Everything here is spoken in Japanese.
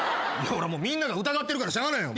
みんなが疑ってるからしゃあないやん。